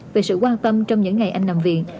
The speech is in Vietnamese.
về sự quan tâm trong những ngày anh nằm viện